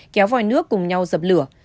kéo vòi nước cùng nhau dập lửa